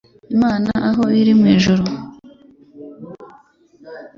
Imana aho iri mu ijuru